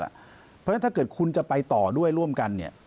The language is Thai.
เพราะฉะนั้นถ้าเกิดคุณจะไปต่อด้วยร่วมกันเนี่ย